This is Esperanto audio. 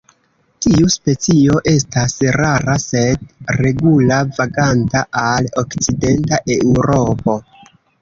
Tiu specio estas rara sed regula vaganta al okcidenta Eŭropo.